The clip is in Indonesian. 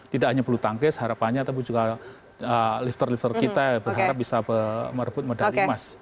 tidak hanya bulu tangkis harapannya tapi juga lifter lifter kita berharap bisa merebut medali emas